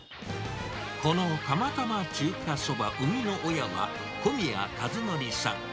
この釜玉中華そば生みの親は、小宮一哲さん。